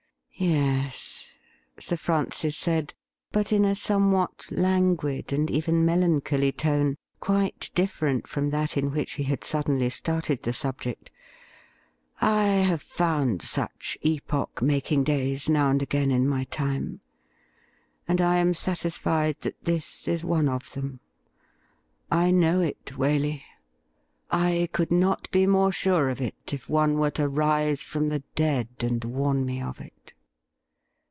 ' Yes,' Sir Francis said, but in a somewhat languid and even melancholy tone, quite different from that in which he had suddenly started the subject. ' I have found such epoch making days now and again in my time, and I am satisfied that this is one of them. I know it, Waley ! I could not be more sure of it if one were to rise from the dead and warn me of it.'